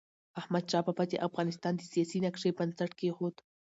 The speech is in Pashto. احمدشاه بابا د افغانستان د سیاسی نقشې بنسټ کيښود.